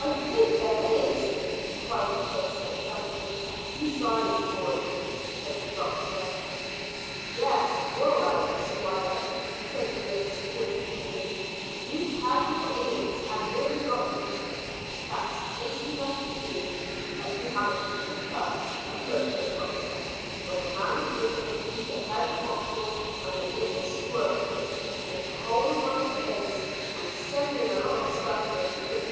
"I think there is," cried Chris excitedly. "Be silent, boy!" said the doctor. "Yes, you're out, squire," said Griggs good humouredly. "You've had your innings, and nearly got bitten. That's taste enough for you. Let me have a bit of the fun. But look here, doctor; when a man is bitten you get out a bottle and a little squirt thing, make a hole in one of the veins, and send in a lot of stuff, don't you?"